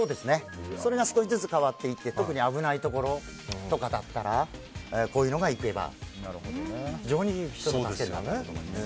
それが少しずつ変わっていって特に危ないところとかにはこういうのが行けば非常にいいと思います。